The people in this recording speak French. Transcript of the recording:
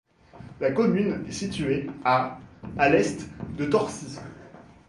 La commune est située à à l'est de Torcy.